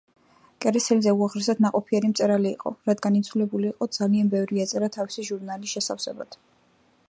კერესელიძე უაღრესად ნაყოფიერი მწერალი იყო, რადგან იძულებული იყო ძალიან ბევრი ეწერა თავისი ჟურნალის შესავსებად.